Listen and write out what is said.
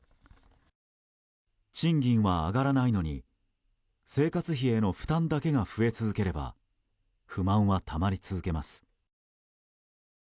賃金は上がらないのに生活費への負担だけが増え続ければ不満はたまり続けます。